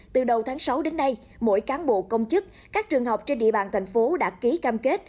từ đầu tháng sáu đến nay mỗi cán bộ công chức các trường học trên địa bàn thành phố đã ký cam kết